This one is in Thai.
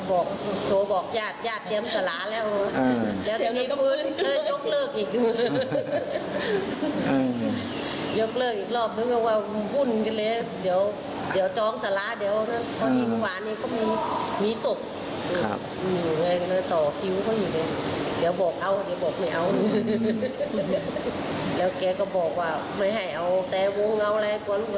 บอกโตบอกญาติญาติเตรียมสลาแล้วอืมแล้วทีนี้ก็ฟื้นเอ้ย